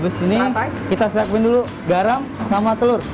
abis ini kita siapkan dulu garam sama telur